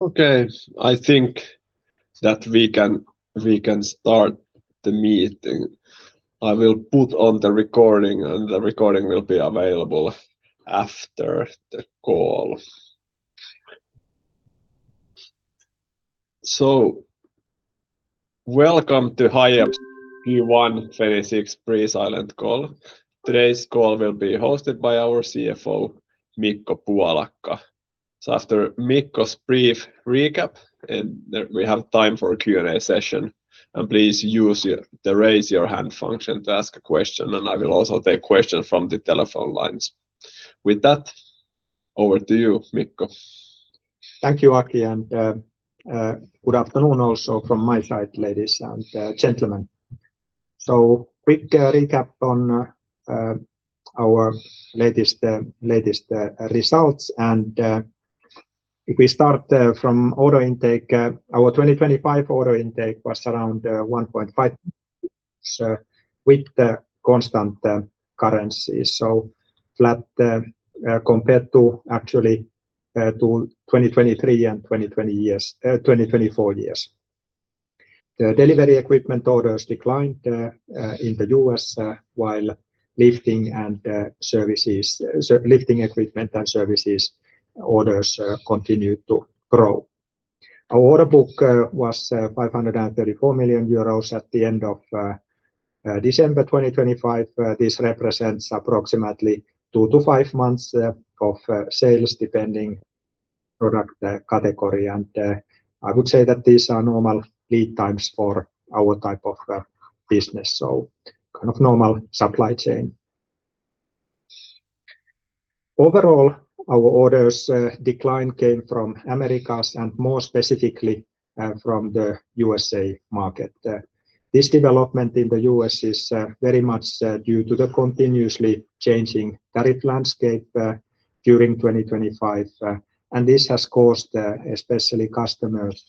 Okay. I think that we can start the meeting. I will put on the recording, and the recording will be available after the call. Welcome to Hiab's Q1 2026 pre-silent call. Today's call will be hosted by our CFO, Mikko Puolakka. After Mikko's brief recap, and then we have time for a Q&A session. Please use the raise hand function to ask a question, and I will also take questions from the telephone lines. With that, over to you, Mikko. Thank you, Aki, and good afternoon also from my side, ladies and gentlemen. Quick recap on our latest results. If we start from order intake, our 2025 order intake was around 1.5 with the constant currency, so flat compared to actually to 2023 and 2024 years. The delivery equipment orders declined in the U.S. while lifting equipment and services orders continued to grow. Our order book was 534 million euros at the end of December 2025. This represents approximately two to five months of sales, depending product category. I would say that these are normal lead times for our type of business, so kind of normal supply chain. Overall, our orders decline came from Americas and more specifically from the U.S. market. This development in the U.S. is very much due to the continuously changing tariff landscape during 2025. This has caused especially customers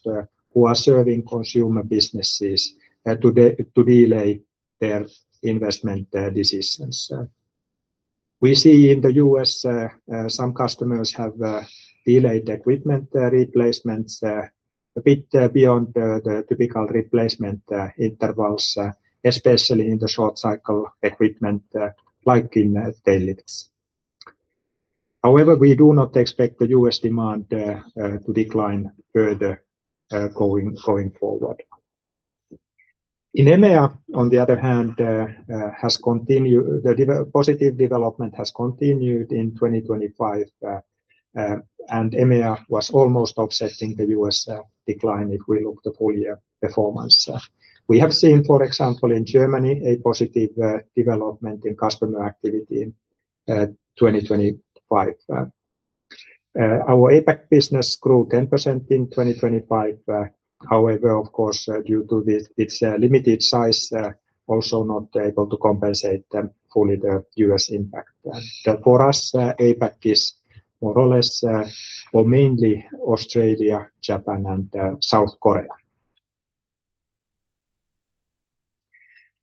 who are serving consumer businesses to delay their investment decisions. We see in the U.S. some customers have delayed equipment replacements a bit beyond the typical replacement intervals especially in the short cycle equipment like in tail lifts. However, we do not expect the U.S. demand to decline further going forward. In EMEA, on the other hand, has continued, the positive development has continued in 2025. EMEA was almost offsetting the U.S. decline if we look at the full year performance. We have seen, for example, in Germany, a positive development in customer activity in 2025. Our APAC business grew 10% in 2025. However, of course, due to this, its limited size also not able to compensate fully the U.S. impact. For us, APAC is more or less or mainly Australia, Japan and South Korea.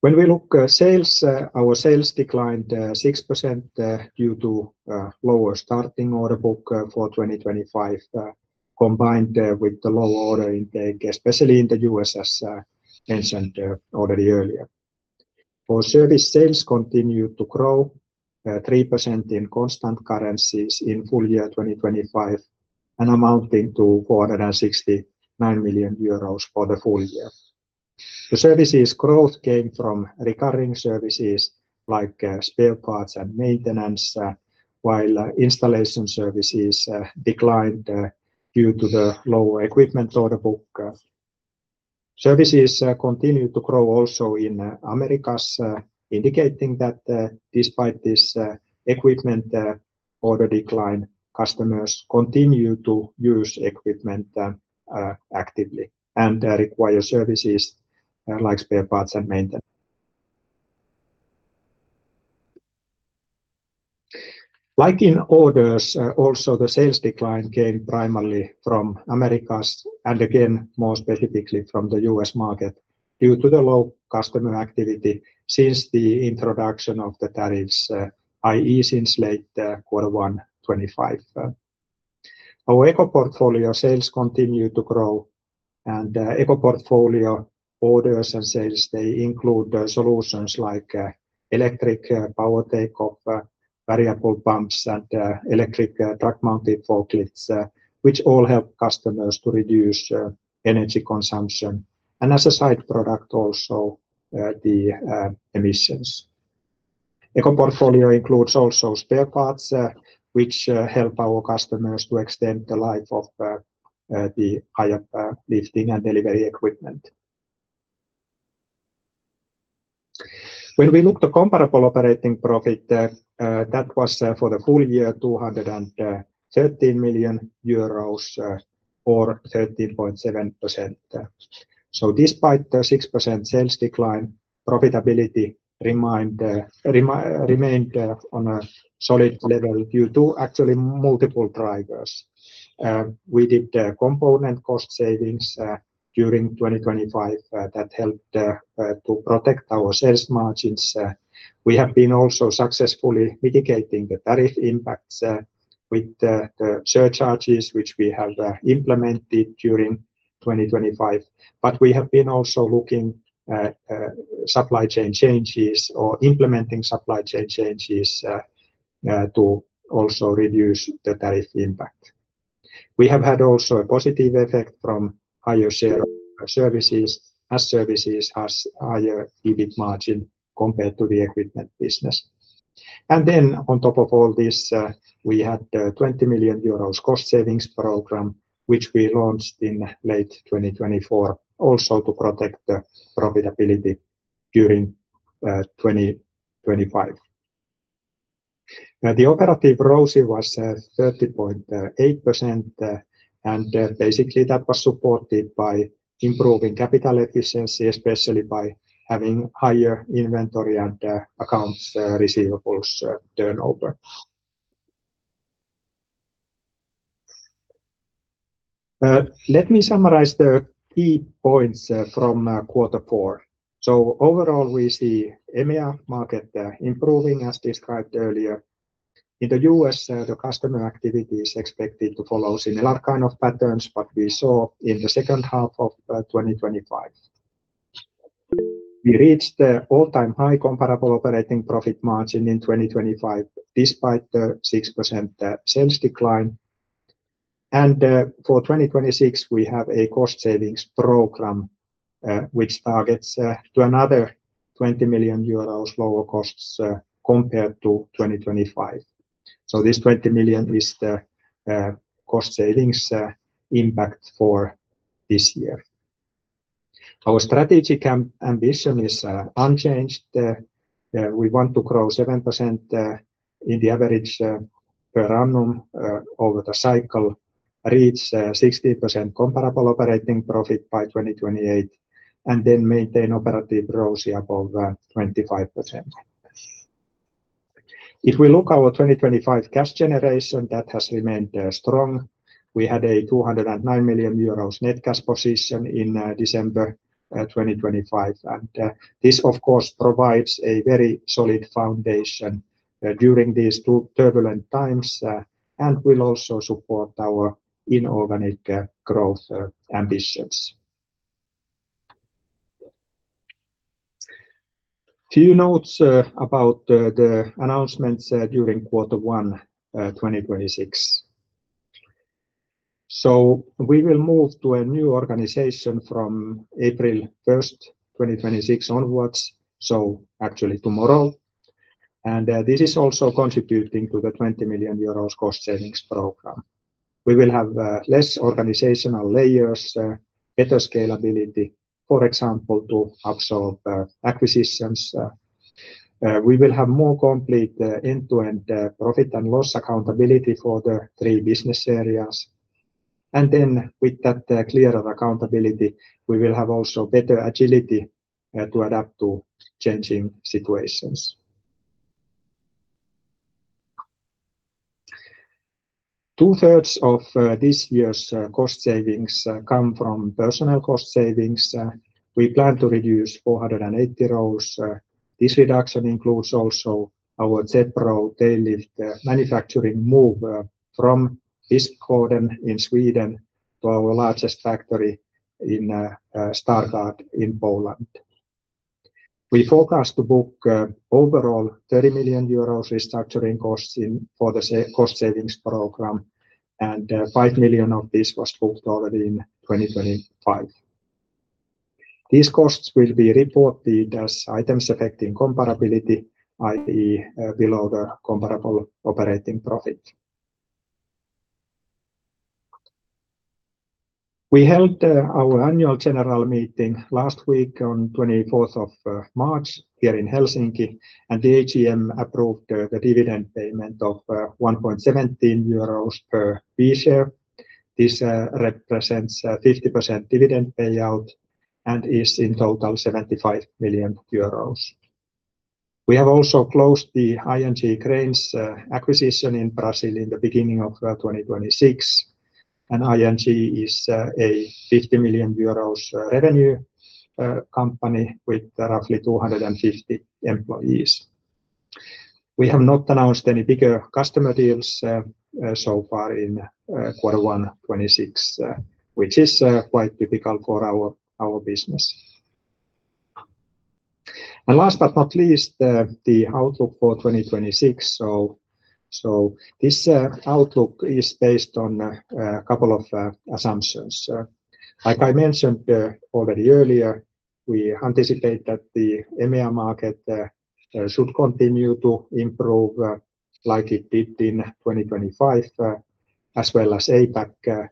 When we look at sales, our sales declined 6% due to lower starting order book for 2025 combined with the low order intake, especially in the U.S., as mentioned already earlier. Our service sales continued to grow 3% in constant currencies in full year 2025 and amounting to 469 million euros for the full year. The services growth came from recurring services like spare parts and maintenance while installation services declined due to the lower equipment order book. Services continued to grow also in Americas, indicating that despite this equipment order decline, customers continue to use equipment actively and require services like spare parts and maintenance. Like in orders, also the sales decline came primarily from Americas and again, more specifically from the U.S. market due to the low customer activity since the introduction of the tariffs, i.e. since late Q1 2025. Our eco portfolio sales continue to grow, and eco portfolio orders and sales, they include solutions like Electric Power Take-Off, variable pumps and electric truck-mounted forklifts, which all help customers to reduce energy consumption and as a side product also the emissions. Eco portfolio includes also spare parts, which help our customers to extend the life of the Hiab lifting and delivery equipment. When we look at the comparable operating profit, that was for the full year 213 million euros, or 13.7%. Despite the 6% sales decline, profitability remained on a solid level due to actually multiple drivers. We did component cost savings during 2025 that helped to protect our sales margins. We have been also successfully mitigating the tariff impacts with the surcharges which we have implemented during 2025. We have been also looking at supply chain changes or implementing supply chain changes to also reduce the tariff impact. We have had also a positive effect from higher share of services, as services has higher EBIT margin compared to the equipment business. On top of all this, we had 20 million euros cost savings program, which we launched in late 2024, also to protect the profitability during 2025. Now the operative ROCE was 30.8%, and basically that was supported by improving capital efficiency, especially by having higher inventory and accounts receivables turnover. Let me summarize the key points from quarter four. Overall, we see EMEA market improving as described earlier. In the U.S., the customer activity is expected to follow similar kind of patterns what we saw in the second half of 2025. We reached the all-time high comparable operating profit margin in 2025, despite the 6% sales decline. For 2026, we have a cost savings program, which targets to another 20 million euros lower costs compared to 2025. This 20 million is the cost savings impact for this year. Our strategic ambition is unchanged. We want to grow 7% in the average per annum over the cycle, reach 60% comparable operating profit by 2028, and then maintain operative ROCE above 25%. If we look our 2025 cash generation, that has remained strong. We had a 209 million euros net cash position in December 2025, and this of course provides a very solid foundation during these turbulent times, and will also support our inorganic growth ambitions. Few notes about the announcements during quarter one 2026. We will move to a new organization from April 1st, 2026 onwards, so actually tomorrow. This is also contributing to the 20 million euros cost savings program. We will have less organizational layers, better scalability, for example, to absorb acquisitions. We will have more complete end-to-end profit and loss accountability for the three business areas. With that, clearer accountability, we will have also better agility to adapt to changing situations. Two-thirds of this year's cost savings come from personnel cost savings. We plan to reduce 480 roles. This reduction includes also our ZEPRO tail lift manufacturing move from Visby, Gotland in Sweden to our largest factory in Stargard in Poland. We forecast to book overall 30 million euros restructuring costs for the cost savings program, and 5 million of this was booked already in 2025. These costs will be reported as items affecting comparability, i.e., below the comparable operating profit. We held our annual general meeting last week on 24th of March here in Helsinki, and the AGM approved the dividend payment of 1.17 euros per B share. This represents a 50% dividend payout and is in total 75 million euros. We have also closed the ING Cranes acquisition in Brazil in the beginning of 2026. ING is a 50 million euros revenue company with roughly 250 employees. We have not announced any bigger customer deals so far in quarter one 2026, which is quite typical for our business. Last but not least, the outlook for 2026. So this outlook is based on a couple of assumptions. Like I mentioned already earlier, we anticipate that the EMEA market should continue to improve like it did in 2025 as well as APAC.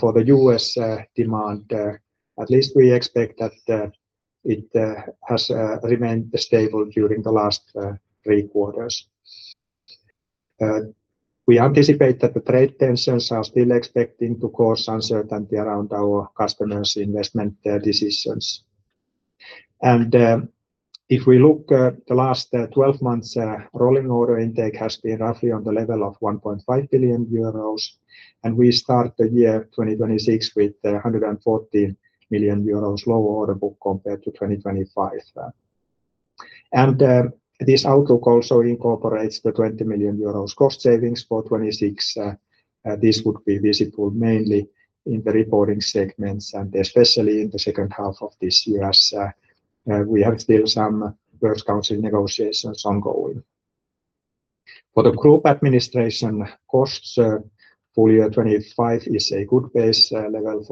For the U.S. demand, at least we expect that it has remained stable during the last three quarters. We anticipate that the trade tensions are still expected to cause uncertainty around our customers' investment decisions. If we look at the last 12 months, rolling order intake has been roughly on the level of 1.5 billion euros, and we start the year 2026 with a 140 million euros lower order book compared to 2025. This outlook also incorporates the 20 million euros cost savings for 2026. This would be visible mainly in the reporting segments, and especially in the second half of this year as we have still some works council negotiations ongoing. For the group administration costs, full year 2025 is a good base level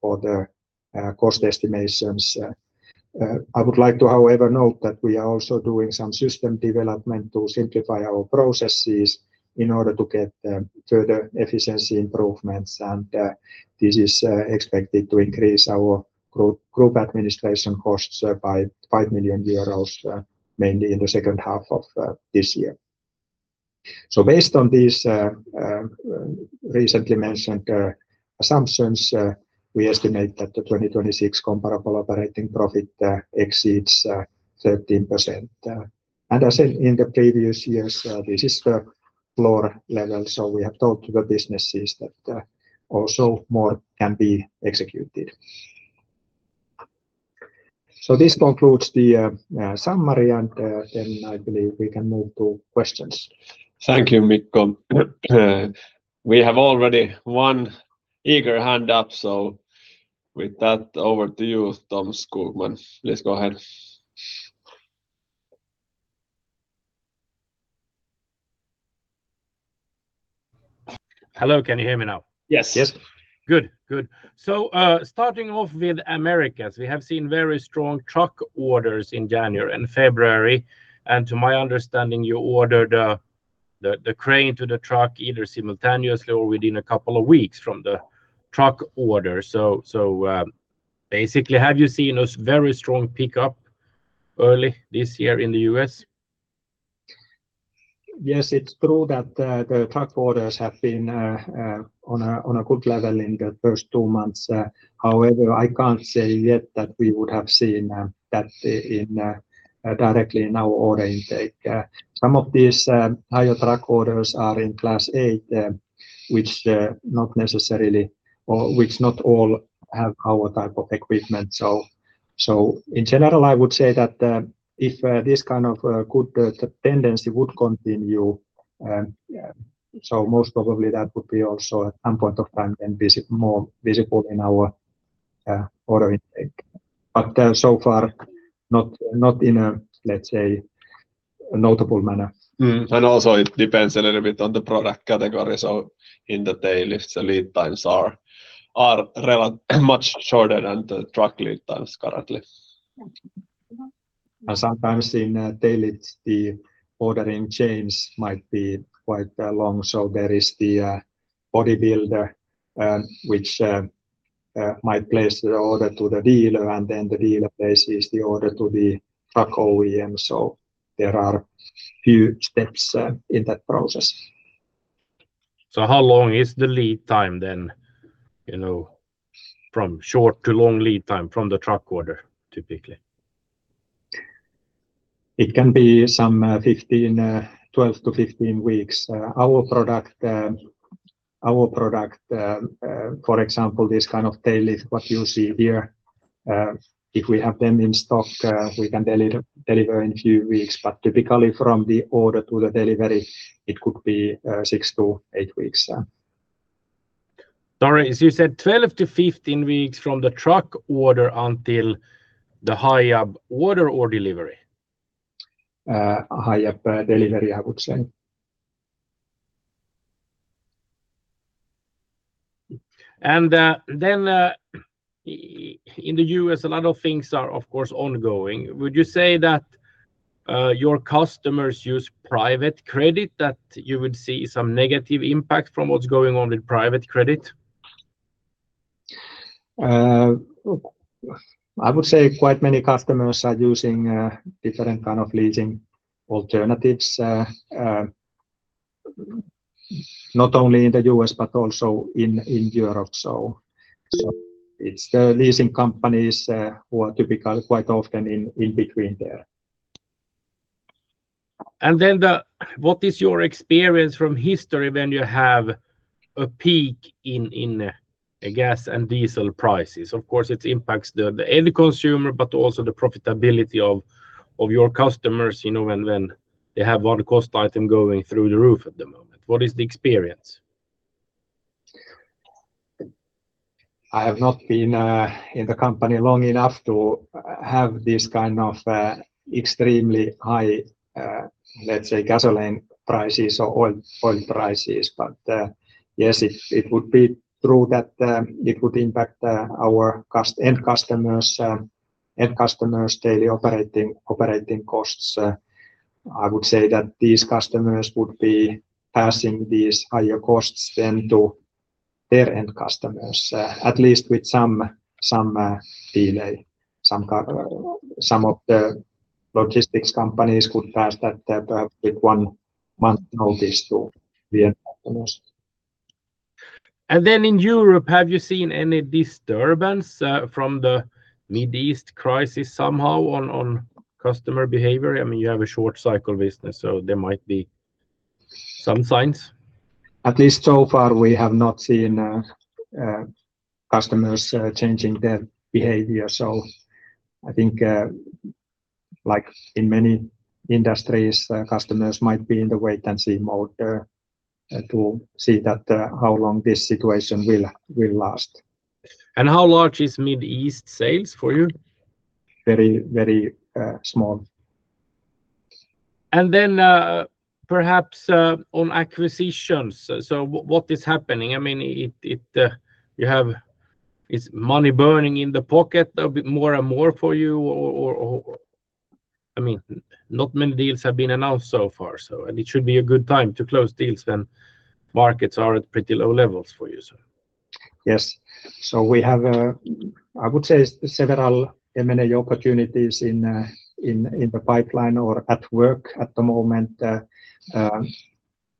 for the cost estimations. I would like to, however, note that we are also doing some system development to simplify our processes in order to get further efficiency improvements, and this is expected to increase our group administration costs by 5 million euros, mainly in the second half of this year. Based on these recently mentioned assumptions, we estimate that the 2026 comparable operating profit exceeds 13%. As in the previous years, this is the floor level, so we have told the businesses that also more can be executed. This concludes the summary, and then I believe we can move to questions. Thank you, Mikko. We have already one eager hand up, so with that, over to you, Tom Skogman. Please go ahead. Hello, can you hear me now? Yes. Yes. Good. Starting off with Americas, we have seen very strong truck orders in January and February, and to my understanding, you ordered the crane to the truck either simultaneously or within a couple of weeks from the truck order. Basically, have you seen a very strong pickup early this year in the U.S.? Yes. It's true that the truck orders have been on a good level in the first two months. However, I can't say yet that we would have seen that directly in our order intake. Some of these higher truck orders are in Class 8, which not all have our type of equipment. In general, I would say that if this kind of good tendency would continue, most probably that would be also at some point of time then more visible in our order intake. So far, not in a let's say a notable manner. It depends a little bit on the product category. In the tail lifts, the lead times are much shorter than the truck lead times currently. Sometimes in tail lifts, the ordering chains might be quite long. There is the bodybuilder, which might place the order to the dealer, and then the dealer places the order to the truck OEM. There are a few steps in that process. How long is the lead time then, you know, from short to long lead time from the truck order typically? It can be some 12-15 weeks. Our product, for example, this kind of tail lift what you see here, if we have them in stock, we can deliver in a few weeks. Typically from the order to the delivery, it could be 6-8 weeks, yeah. Sorry, you said 12-15 weeks from the truck order until the Hiab order or delivery? Hiab delivery, I would say. In the U.S., a lot of things are of course ongoing. Would you say that your customers use private credit, that you would see some negative impact from what's going on with private credit? I would say quite many customers are using different kind of leasing alternatives, not only in the U.S. but also in Europe. It's the leasing companies who are typically quite often in between there. What is your experience from history when you have a peak in gas and diesel prices? Of course, it impacts the end consumer, but also the profitability of your customers, you know, when they have one cost item going through the roof at the moment. What is the experience? I have not been in the company long enough to have this kind of extremely high, let's say, gasoline prices or oil prices. Yes, it would be true that it would impact our end customers' daily operating costs. I would say that these customers would be passing these higher costs on to their end customers, at least with some delay. Some of the logistics companies could pass that with one month notice to the end customers. In Europe, have you seen any disturbance from the Middle East crisis somehow on customer behavior? I mean, you have a short cycle business, so there might be some signs? At least so far, we have not seen customers changing their behavior. I think, like in many industries, customers might be in the wait-and-see mode, to see that, how long this situation will last. How large is Middle East sales for you? Very, very, small. Perhaps on acquisitions, so what is happening? I mean, is money burning in the pocket a bit more and more for you? Or, I mean, not many deals have been announced so far, so. It should be a good time to close deals when markets are at pretty low levels for you, so. Yes. We have, I would say several M&A opportunities in the pipeline or at work at the moment.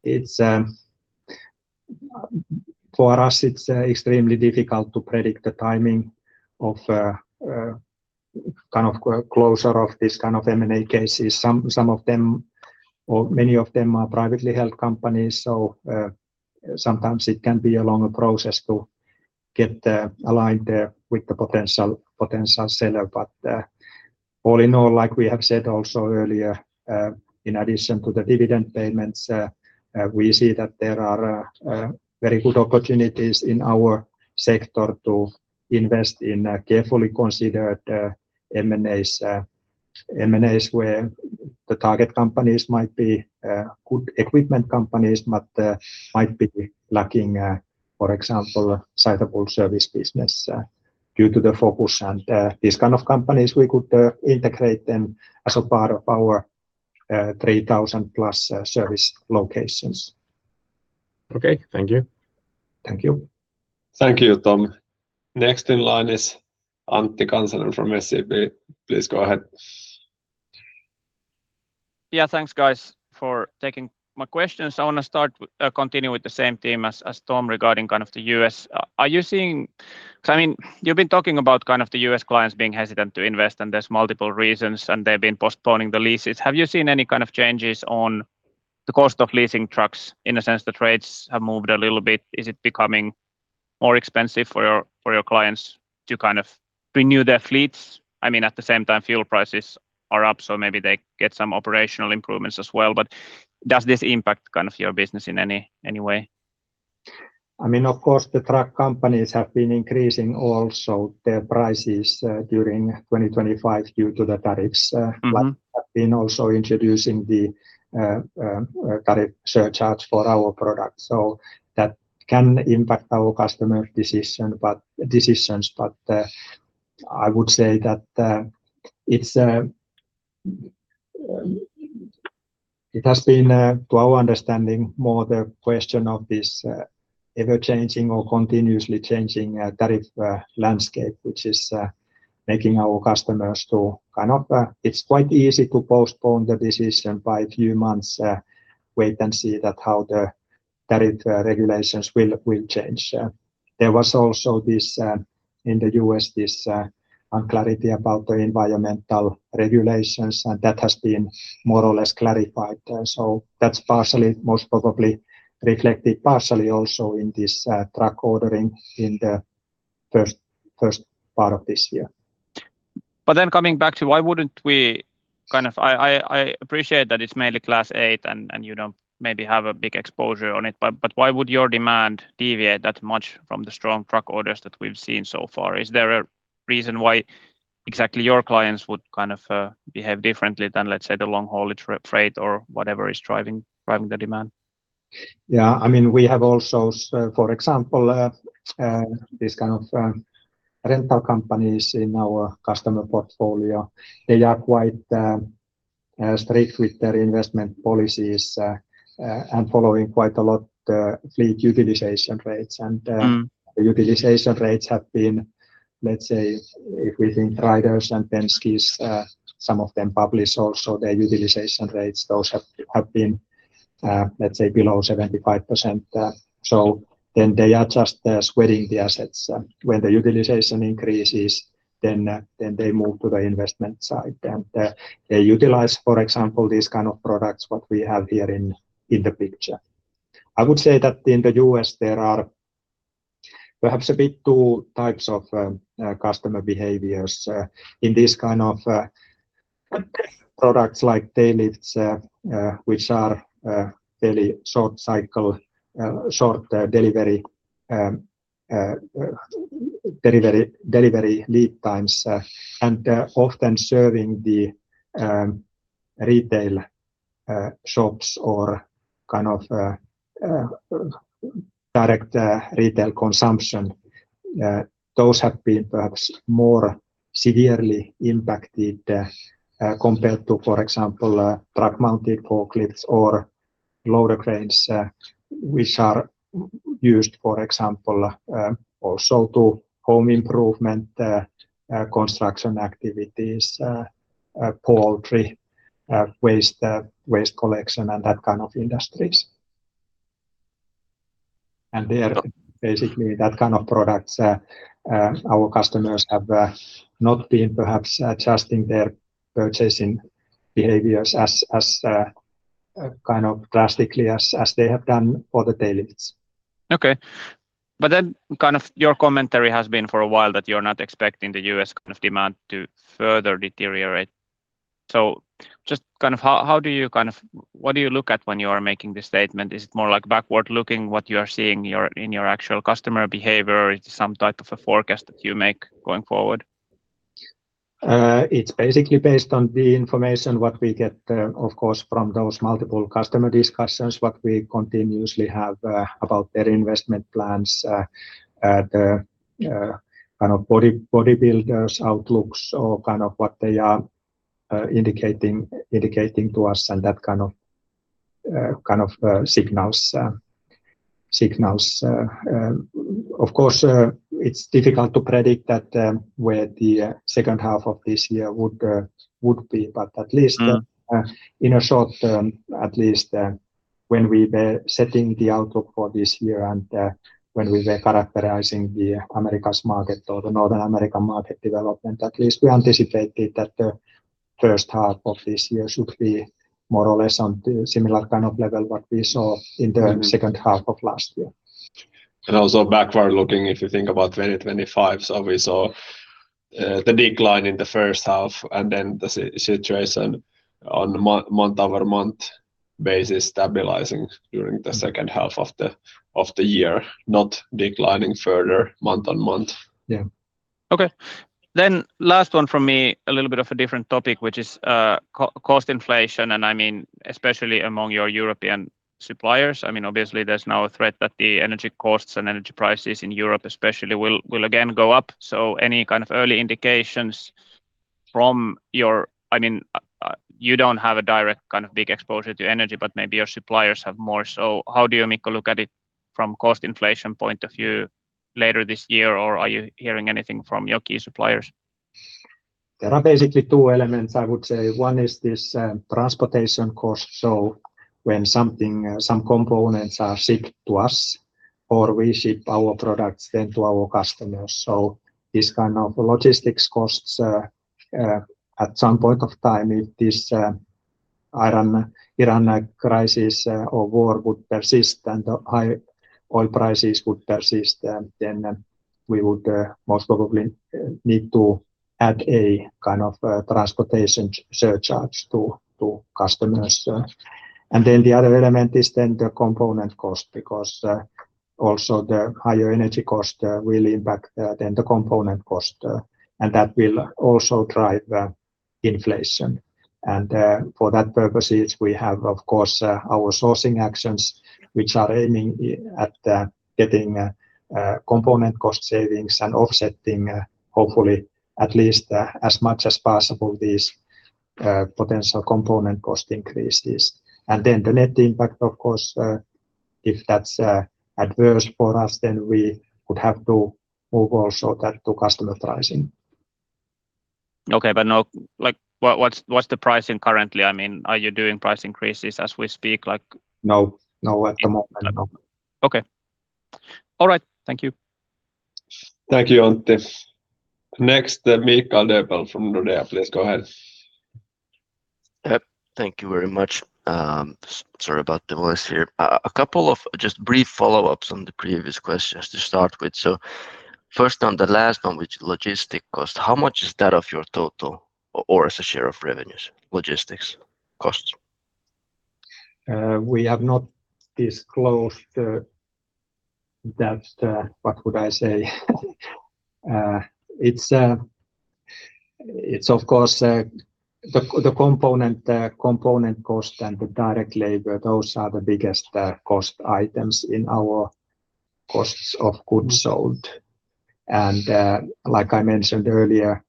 It's extremely difficult to predict the timing of kind of closure of this kind of M&A cases. Some of them, or many of them are privately held companies, so sometimes it can be a longer process to get aligned with the potential seller. All in all, like we have said also earlier, in addition to the dividend payments, we see that there are very good opportunities in our sector to invest in carefully considered M&As where the target companies might be good equipment companies, but might be lacking, for example, suitable service business due to the focus. These kind of companies, we could integrate them as a part of our 3,000+ service locations. Okay. Thank you. Thank you. Thank you, Tom. Next in line is Antti Kansanen from SEB. Please go ahead. Yeah. Thanks, guys, for taking my questions. I wanna start, continue with the same theme as Tom regarding kind of the U.S. Are you seeing? 'Cause I mean, you've been talking about kind of the U.S. clients being hesitant to invest, and there's multiple reasons, and they've been postponing the leases. Have you seen any kind of changes on the cost of leasing trucks? In a sense, the rates have moved a little bit. Is it becoming more expensive for your clients to kind of renew their fleets? I mean, at the same time, fuel prices are up, so maybe they get some operational improvements as well. But does this impact kind of your business in any way? I mean, of course, the truck companies have been increasing also their prices during 2025 due to the tariffs. We have been also introducing the tariff surcharge for our product. That can impact our customer decisions. I would say that it has been, to our understanding, more the question of this ever-changing or continuously changing tariff landscape, which is making our customers. It's quite easy to postpone the decision by a few months, wait and see how the tariff regulations will change. There was also this unclarity in the U.S. about the environmental regulations, and that has been more or less clarified. That's partially most probably reflected partially also in this truck ordering in the first part of this year. Coming back to why wouldn't we kind of I appreciate that it's mainly Class 8 and you don't maybe have a big exposure on it, but why would your demand deviate that much from the strong truck orders that we've seen so far? Is there a reason why exactly your clients would kind of behave differently than, let's say, the long-haulage freight or whatever is driving the demand? Yeah. I mean, we have also, for example, these kind of rental companies in our customer portfolio. They are quite strict with their investment policies and following quite a lot fleet utilization rates. The utilization rates have been, let's say, if we think Ryder and Penske, some of them publish also their utilization rates. Those have been, let's say below 75%. They are just sweating the assets. When the utilization increases, then they move to the investment side. They utilize, for example, these kind of products, what we have here in the picture. I would say that in the U.S., there are perhaps a bit two types of customer behaviors in this kind of products like tail lifts, which are very short cycle, short delivery lead times, and often serving the retail shops or kind of direct retail consumption. Those have been perhaps more severely impacted compared to, for example, truck-mounted forklifts or loader cranes, which are used, for example, also to home improvement, construction activities, poultry, waste collection, and that kind of industries. There basically that kind of products, our customers have not been perhaps adjusting their purchasing behaviors as kind of drastically as they have done for the tail lifts. Okay. Kind of your commentary has been for a while that you're not expecting the U.S. kind of demand to further deteriorate. Just kind of how do you kind of what do you look at when you are making this statement? Is it more like backward-looking what you are seeing in your actual customer behavior? It's some type of a forecast that you make going forward? It's basically based on the information what we get, of course, from those multiple customer discussions what we continuously have, about their investment plans, the kind of bodybuilders' outlooks or kind of what they are indicating to us and that kind of signals. Of course, it's difficult to predict that, where the second half of this year would be. At least, in a short term, at least, when we were setting the outlook for this year and, when we were characterizing the Americas market or the North America market development, at least we anticipated that the first half of this year should be more or less on the similar kind of level what we saw in the second half of last year. Also backward-looking, if you think about 2025. We saw the decline in the first half and then the situation on month-over-month basis stabilizing during the second half of the year, not declining further month-over-month. Yeah. Okay. Last one from me, a little bit of a different topic, which is cost inflation, and I mean especially among your European suppliers. I mean, obviously there's now a threat that the energy costs and energy prices in Europe especially will again go up. Any kind of early indications from your suppliers? I mean, you don't have a direct kind of big exposure to energy, but maybe your suppliers have more. How do you, Mikko, look at it from cost inflation point of view later this year, or are you hearing anything from your key suppliers? There are basically two elements I would say. One is this, transportation cost. When something, some components are shipped to us or we ship our products then to our customers. This kind of logistics costs, at some point of time, if this, Iran, crisis or war would persist and the high oil prices would persist, then we would, most probably, need to add a kind of a transportation surcharge to customers. The other element is the component cost because, also the higher energy cost, will impact, then the component cost, and that will also drive, inflation. For that purpose, we have of course our sourcing actions which are aiming at getting component cost savings and offsetting hopefully at least as much as possible these potential component cost increases. The net impact of course, if that's adverse for us, we would have to move also that to customer pricing. Like, what's the pricing currently? I mean, are you doing price increases as we speak, like? No. No, at the moment, no. Okay. All right. Thank you. Thank you, Antti. Next, Mikael Doepel from Nordea. Please go ahead. Yep. Thank you very much. Sorry about the voice here. A couple of just brief follow-ups on the previous questions to start with. First on the last one, which logistics cost, how much is that of your total or as a share of revenues, logistics costs? We have not disclosed that, it's of course the component cost and the direct labor, those are the biggest cost items in our cost of goods sold. Like I mentioned earlier,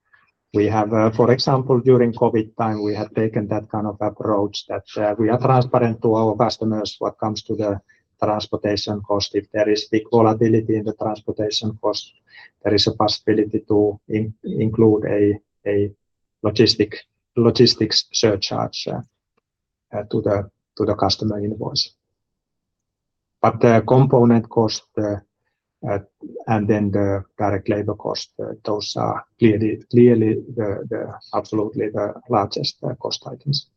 for example, during COVID time, we have taken that kind of approach that we are transparent to our customers when it comes to the transportation cost. If there is big volatility in the transportation cost, there is a possibility to include a logistics surcharge to the customer invoice. The component cost and then the direct labor cost, those are clearly the absolutely largest cost items.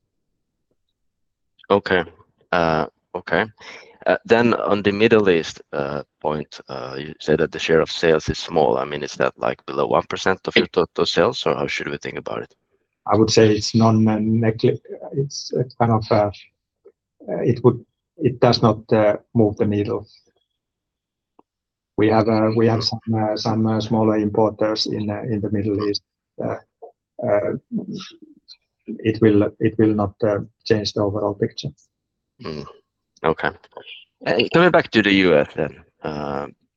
Okay, on the Middle East point, you say that the share of sales is small. I mean, is that like below 1% of your total sales, or how should we think about it? I would say it does not move the needle. We have some smaller importers in the Middle East. It will not change the overall picture. Okay. Coming back to the U.S. then,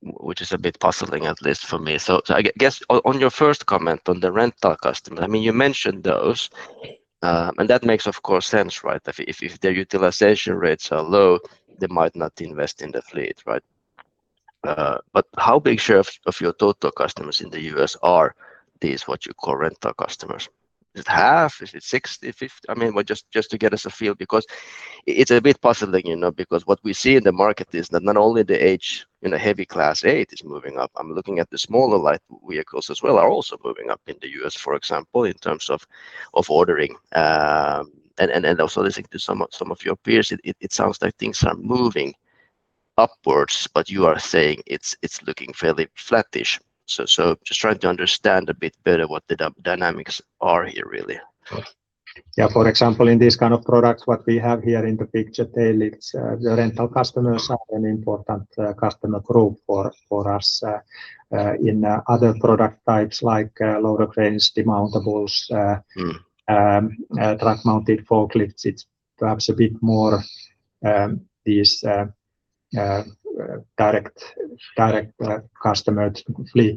which is a bit puzzling, at least for me. I guess on your first comment on the rental customer, I mean, you mentioned those, and that makes of course sense, right? If their utilization rates are low, they might not invest in the fleet, right? But how big share of your total customers in the U.S. are what you call rental customers. Is it half? Is it 60, 50? I mean, just to get us a feel because it's a bit puzzling, you know, because what we see in the market is that not only the heavy Class 8, you know, it is moving up. I'm looking at the smaller light vehicles as well are also moving up in the U.S., for example, in terms of ordering. Also listening to some of your peers, it sounds like things are moving upwards, but you are saying it's looking fairly flattish. Just trying to understand a bit better what the dynamics are here really. Yeah. For example, in this kind of product, what we have here in the picture, tail lifts, the rental customers are an important customer group for us. In other product types like loader cranes, demountables, truck-mounted forklifts, it's perhaps a bit more these direct customers,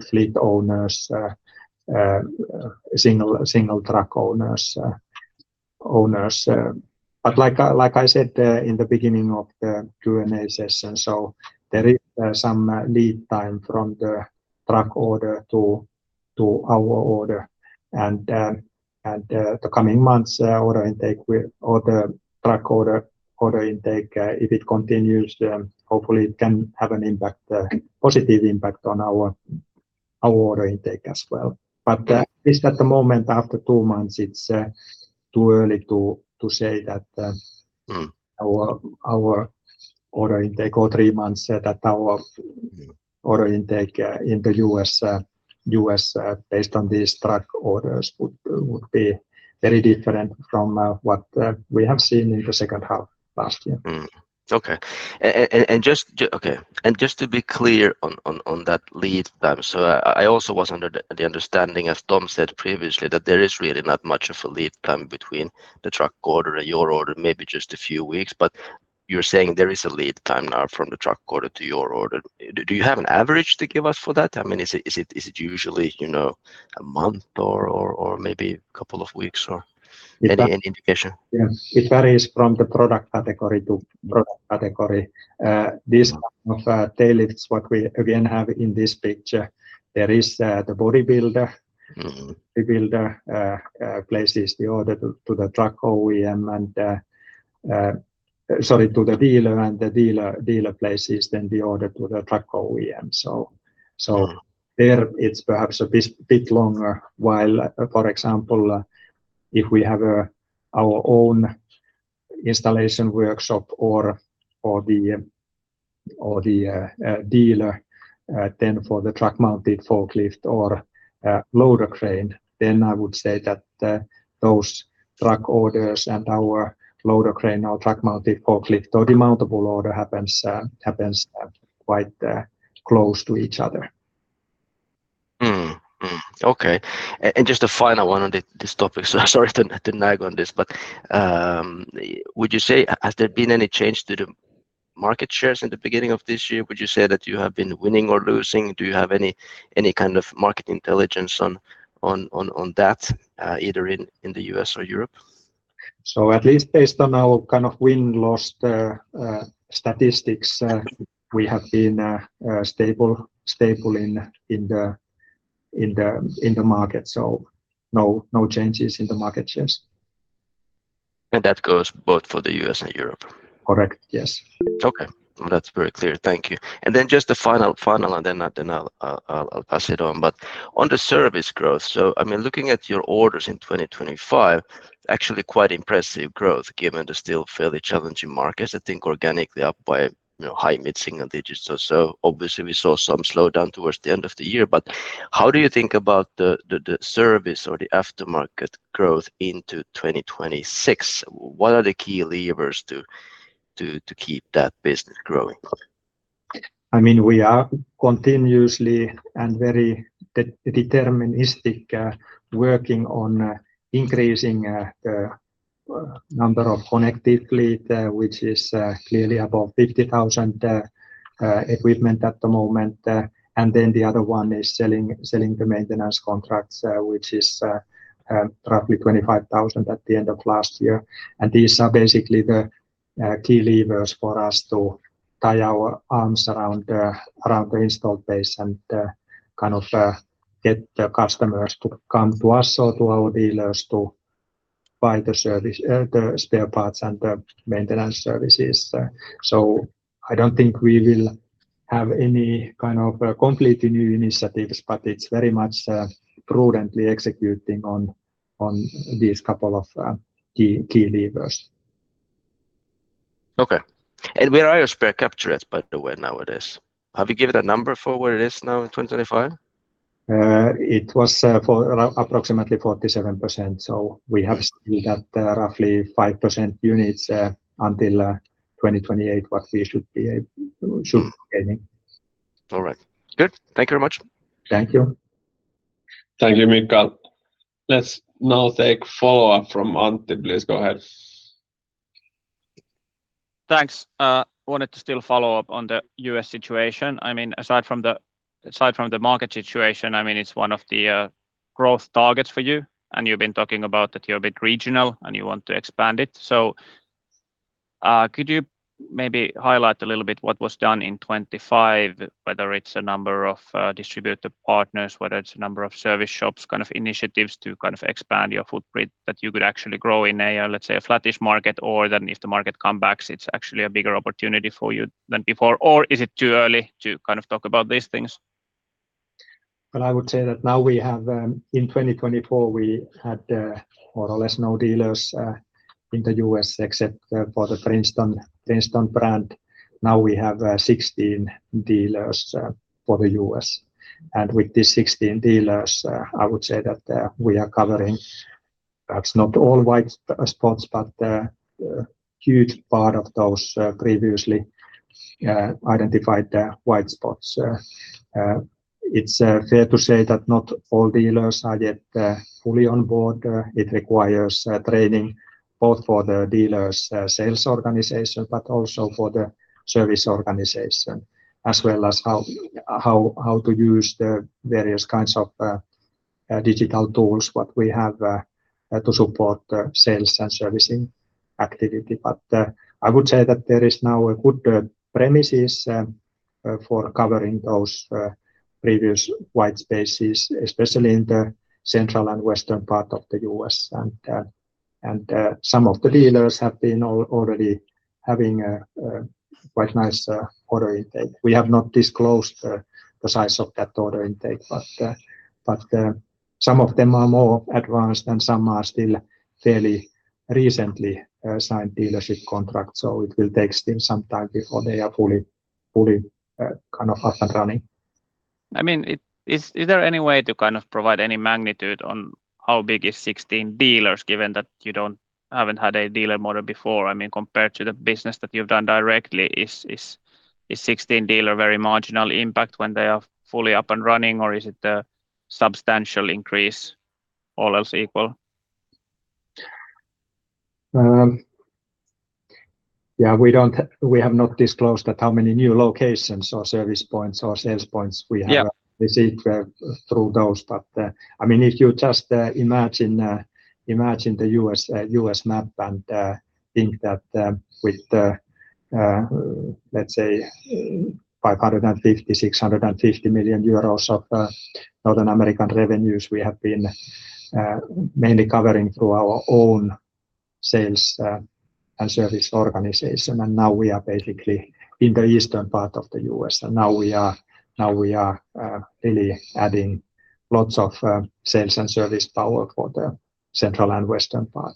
fleet owners, single truck owners. Like I said in the beginning of the Q&A session, there is some lead time from the truck order to our order. The coming months, order intake for the truck order if it continues, hopefully it can have a positive impact on our order intake as well. At least at the moment, after two months, it's too early to say that. Our order intake over three months that our order intake in the U.S. based on these truck orders would be very different from what we have seen in the second half last year. Okay. Just to be clear on that lead time, so I also was under the understanding, as Tom said previously, that there is really not much of a lead time between the truck order and your order, maybe just a few weeks. You're saying there is a lead time now from the truck order to your order. Do you have an average to give us for that? I mean, is it usually, you know, a month or maybe couple of weeks or any indication? Yes. It varies from the product category to product category. This kind of tail lifts what we again have in this picture, there is the body builder. The builder places the order to the dealer, and the dealer places then the order to the truck OEM. There it's perhaps a bit longer. While, for example, if we have our own installation workshop or the dealer, then for the truck-mounted forklift or loader crane, then I would say that those truck orders and our loader crane or truck-mounted forklift or demountable order happens quite close to each other. Just a final one on this topic. Sorry to nag on this, but would you say has there been any change to the market shares in the beginning of this year? Would you say that you have been winning or losing? Do you have any kind of market intelligence on that, either in the U.S. or Europe? At least based on our kind of win-loss statistics, we have been stable in the market. No changes in the market shares. That goes both for the U.S. and Europe? Correct, yes. Okay. That's very clear. Thank you. Just the final, and then I'll pass it on. On the service growth, I mean, looking at your orders in 2025, actually quite impressive growth given the still fairly challenging markets. I think organically up by, you know, high mid-single digits or so. Obviously, we saw some slowdown towards the end of the year. How do you think about the service or the aftermarket growth into 2026? What are the key levers to keep that business growing? I mean, we are continuously and very deterministic working on increasing the number of connected fleet, which is clearly above 50,000 equipment at the moment. Then the other one is selling the maintenance contracts, which is roughly 25,000 at the end of last year. These are basically the key levers for us to tie our arms around the installed base and kind of get the customers to come to us or to our dealers to buy the service, the spare parts and the maintenance services. I don't think we will have any kind of completely new initiatives, but it's very much prudently executing on these couple of key levers. Okay. Where are your share capture rates, by the way, nowadays? Have you given a number for where it is now in 2025? It was approximately 47%, so we have still got roughly 5% units until 2028 what we should be gaining. All right. Good. Thank you very much. Thank you. Thank you, Mikael. Let's now take follow-up from Antti. Please go ahead. Thanks. Wanted to still follow up on the U.S. situation. I mean, aside from the market situation, I mean, it's one of the growth targets for you, and you've been talking about that you're a bit regional, and you want to expand it. Could you maybe highlight a little bit what was done in 2025, whether it's a number of distributor partners, whether it's a number of service shops, kind of initiatives to kind of expand your footprint that you could actually grow in a, let's say, a flattish market? Or then if the market come back, it's actually a bigger opportunity for you than before? Or is it too early to kind of talk about these things? I would say that now we have, in 2024, we had more or less no dealers in the U.S. except for the Princeton brand. Now we have 16 dealers for the U.S. With these 16 dealers, I would say that we are covering perhaps not all white spots, but huge part of those previously identified white spots. It's fair to say that not all dealers are yet fully on board. It requires training both for the dealers' sales organization, but also for the service organization, as well as how to use the various kinds of digital tools what we have to support sales and servicing activity. I would say that there is now a good premise for covering those previous white spaces, especially in the central and western part of the U.S. Some of the dealers have been already having a quite nice order intake. We have not disclosed the size of that order intake, but some of them are more advanced and some are still fairly recently signed dealership contracts, so it will take still some time before they are fully kind of up and running. I mean, is there any way to kind of provide any magnitude on how big is 16 dealers, given that you haven't had a dealer model before? I mean, compared to the business that you've done directly, is 16 dealers very marginal impact when they are fully up and running, or is it a substantial increase all else equal? Yeah, we have not disclosed that how many new locations or service points or sales points we have received through those. I mean, if you just imagine the U.S. map and think that with let's say 550 million-650 million euros of North American revenues, we have been mainly covering through our own sales and service organization. Now we are basically in the eastern part of the U.S., and now we are really adding lots of sales and service power for the central and western part.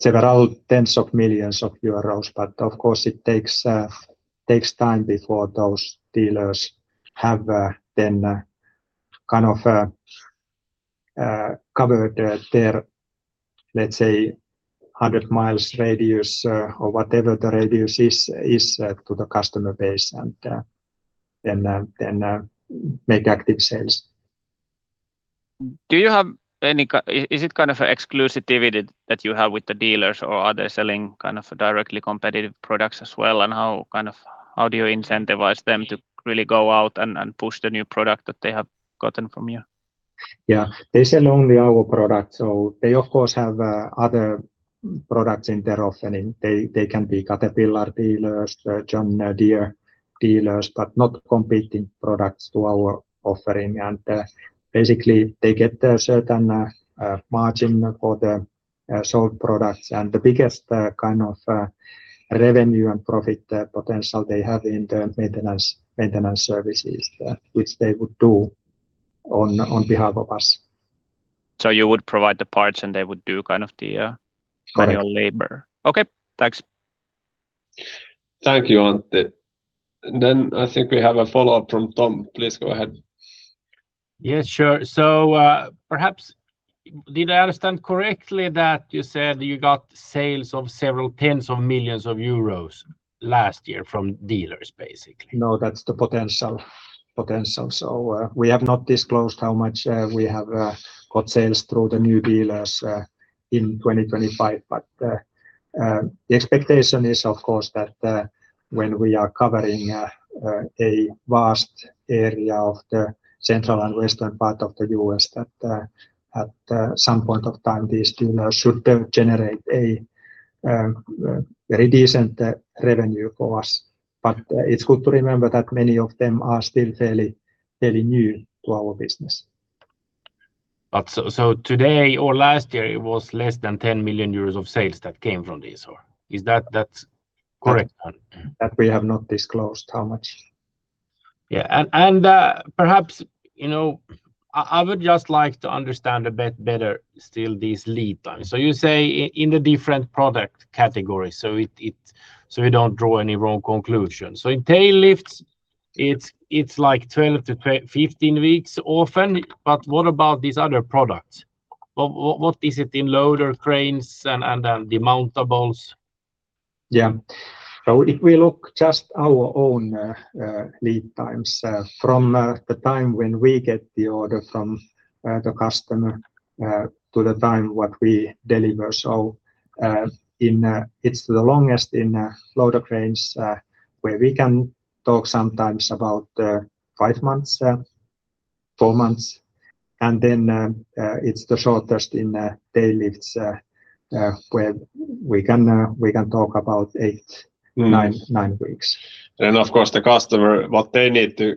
Several tens of millions of euros, but of course it takes time before those dealers have then kind of covered their, let's say, 100 miles radius or whatever the radius is to the customer base, and then make active sales. Do you have any kind of exclusivity that you have with the dealers or are they selling kind of directly competitive products as well? How, kind of, how do you incentivize them to really go out and push the new product that they have gotten from you? Yeah. They sell only our product. They of course have other products in their offering. They can be Caterpillar dealers, John Deere dealers, but not competing products to our offering. Basically they get a certain margin for the sold products. The biggest kind of revenue and profit potential they have in the maintenance services which they would do on behalf of us. You would provide the parts, and they would do kind of the- Correct Manual labor. Okay, thanks. Thank you, Antti. I think we have a follow-up from Tom. Please go ahead. Yes, sure. Perhaps did I understand correctly that you said you got sales of several tens of millions euros last year from dealers, basically? No, that's the potential. We have not disclosed how much we have got sales through the new dealers in 2025. The expectation is of course that when we are covering a vast area of the central and western part of the U.S., that at some point of time these dealers should generate a very decent revenue for us. It's good to remember that many of them are still fairly new to our business. Today or last year it was less than 10 million euros of sales that came from this, or is that's correct? That we have not disclosed how much. Yeah. Perhaps, you know, I would just like to understand a bit better still these lead times. You say in the different product categories, so we don't draw any wrong conclusions. In tail lifts it's like 12-15 weeks often. What about these other products? What is it in loader cranes and demountables? If we look at just our own lead times from the time when we get the order from the customer to the time we deliver. It's the longest in loader cranes, where we can talk sometimes about 4-5 months. It's the shortest in tail lifts, where we can talk about 8-9 weeks. Of course, the customer, what they need to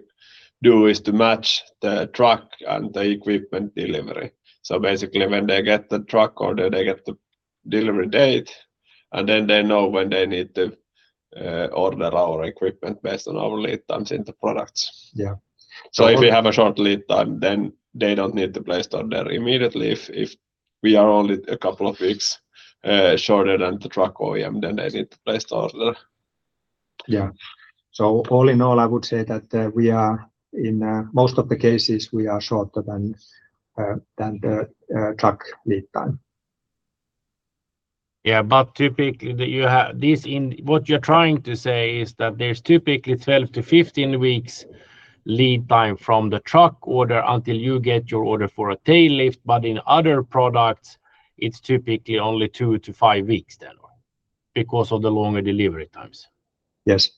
do is to match the truck and the equipment delivery. Basically, when they get the truck order, they get the delivery date, and then they know when they need to order our equipment based on our lead times in the products. Yeah. If we have a short lead time, then they don't need to place the order immediately. If we are only a couple of weeks shorter than the truck OEM, then they need to place the order. Yeah. All in all, I would say that we are, in most of the cases, shorter than the truck lead time. What you're trying to say is that there's typically 12-15 weeks lead time from the truck order until you get your order for a tail lift. In other products, it's typically only 2-5 weeks then because of the longer delivery times. Yes.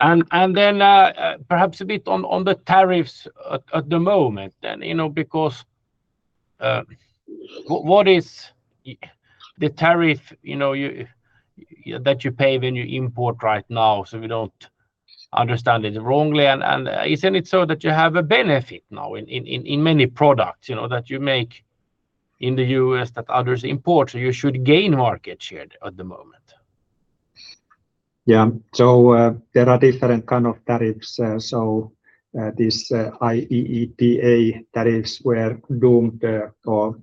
Perhaps a bit on the tariffs at the moment. You know, because what is the tariff you know that you pay when you import right now, so we don't understand it wrongly. Isn't it so that you have a benefit now in many products, you know, that you make in the U.S. that others import, so you should gain market share at the moment? Yeah. There are different kind of tariffs. IEEPA tariffs were doomed, or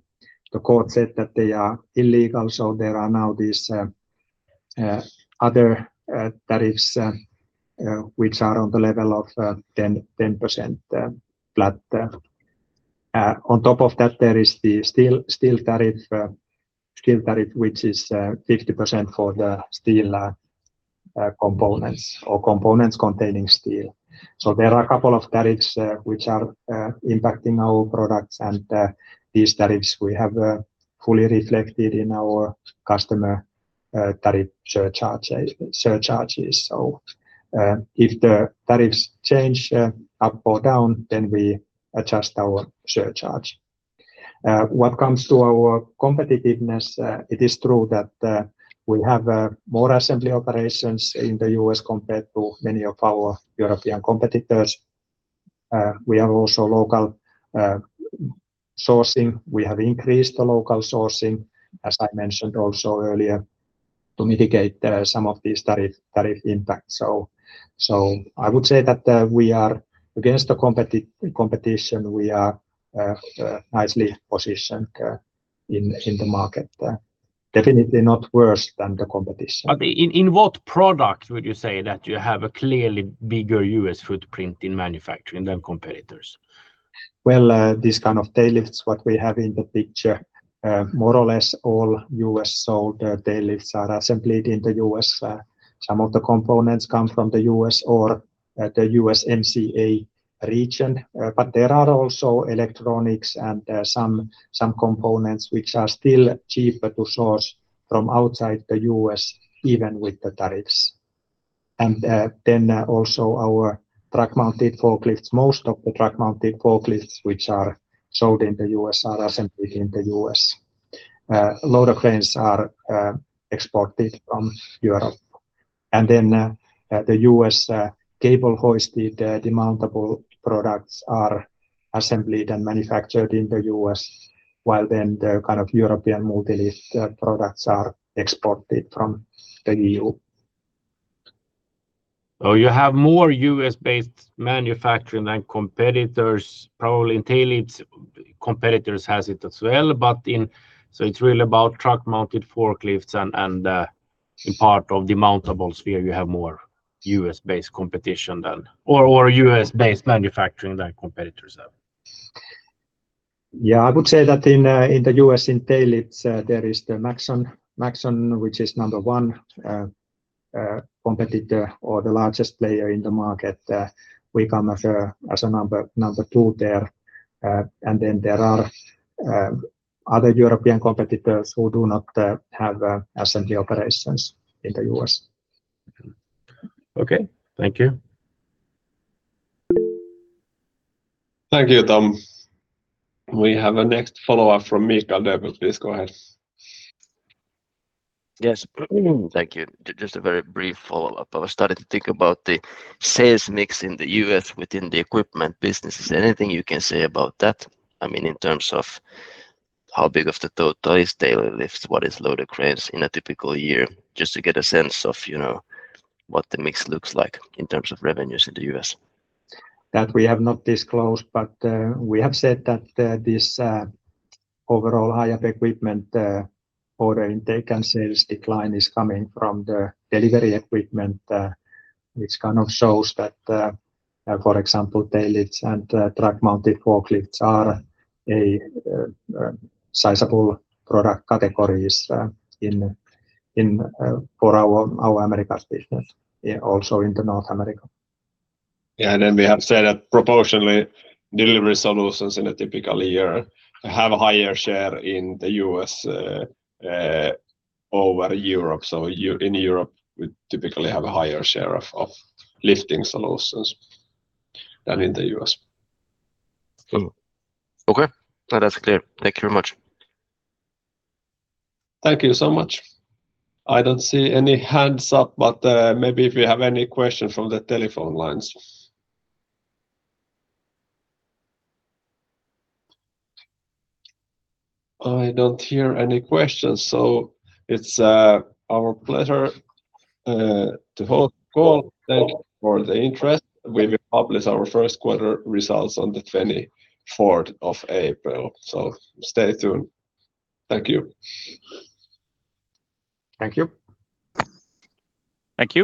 the court said that they are illegal. There are now these other tariffs, which are on the level of 10% flat. On top of that, there is the steel tariff, which is 50% for the steel components or components containing steel. There are a couple of tariffs which are impacting our products, and these tariffs we have fully reflected in our customer tariff surcharges. If the tariffs change up or down, then we adjust our surcharge. What comes to our competitiveness, it is true that we have more assembly operations in the U.S. compared to many of our European competitors. We have also local sourcing. We have increased the local sourcing, as I mentioned also earlier, to mitigate some of these tariff impacts. I would say that we are against the competition. We are nicely positioned in the market. Definitely not worse than the competition. In what products would you say that you have a clearly bigger U.S. footprint in manufacturing than competitors? Well, these kind of tail lifts, what we have in the picture, more or less all U.S.-sold tail lifts are assembled in the U.S. Some of the components come from the U.S. or the USMCA region. But there are also electronics and some components which are still cheaper to source from outside the U.S., even with the tariffs. Our truck-mounted forklifts. Most of the truck-mounted forklifts which are sold in the U.S. are assembled in the U.S. Loader cranes are exported from Europe. The U.S. cable-hoisted demountable products are assembled and manufactured in the U.S., while then the kind of European MULTILIFT products are exported from the EU. You have more U.S.-based manufacturing than competitors, probably in tail lifts. Competitors has it as well, but it's really about truck-mounted forklifts and in part of demountables where you have more U.S.-based competition than or U.S.-based manufacturing than competitors have. Yeah. I would say that in the U.S., in tail lifts, there is the Maxon. Maxon, which is number one competitor or the largest player in the market. We come as a number two there. Then there are other European competitors who do not have assembly operations in the U.S. Okay. Thank you. Thank you, Tom. We have our next follow-up from Mikael Doepel. Please go ahead. Yes. Thank you. Just a very brief follow-up. I was starting to think about the sales mix in the U.S. within the equipment business. Is there anything you can say about that? I mean, in terms of how big of the total is tail lifts, what is loader cranes in a typical year? Just to get a sense of, you know, what the mix looks like in terms of revenues in the U.S. That we have not disclosed, but we have said that this overall Hiab equipment order intake and sales decline is coming from the delivery equipment, which kind of shows that, for example, tail lifts and truck-mounted forklifts are a sizable product categories in our Americas business. Yeah, also in North America. We have said that proportionally, delivery solutions in a typical year have a higher share in the U.S. over Europe. In Europe, we typically have a higher share of lifting solutions than in the U.S. Cool. Okay. That's clear. Thank you very much. Thank you so much. I don't see any hands up, but maybe if you have any question from the telephone lines. I don't hear any questions, so it's our pleasure to hold the call. Thank you for the interest. We will publish our first quarter results on the 24th of April, so stay tuned. Thank you. Thank you.